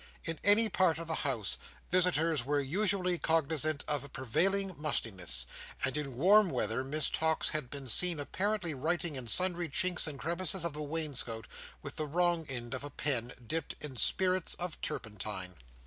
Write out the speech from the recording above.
In any part of the house, visitors were usually cognizant of a prevailing mustiness; and in warm weather Miss Tox had been seen apparently writing in sundry chinks and crevices of the wainscoat with the wrong end of a pen dipped in spirits of turpentine.